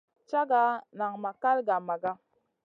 Caga nan ma kal gah Maga.